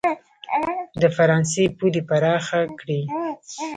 د فرانسې پولې پراخې کړي.